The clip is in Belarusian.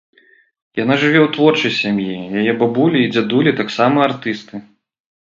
Яна жыве ў творчай сям'і, яе бабулі і дзядулі таксама артысты.